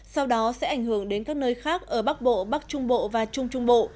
sau đó sẽ ảnh hưởng đến các nơi khác ở bắc bộ bắc trung bộ và trung trung bộ